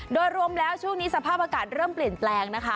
โดยรวมแล้วช่วงนี้สภาพอากาศเริ่มเปลี่ยนแปลงนะคะ